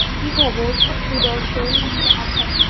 কী খবর, সুদর্শন?